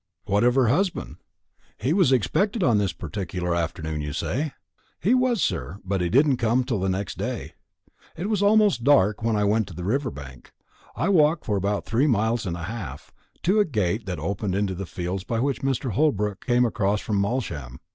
"What of her husband? He was expected on this particular afternoon, you say?" "He was, sir; but he did not come till the next day. It was almost dark when I went to the river bank. I walked for about three miles and a half, to a gate that opened into the fields by which Mr. Holbrook came across from Malsham.